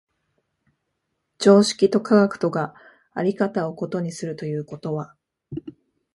常識と科学とが在り方を異にするということは、